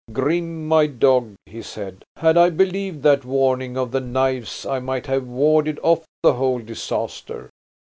"Grim, my dog," he said, "had I believed that warning of the knives I might have warded off the whole disaster.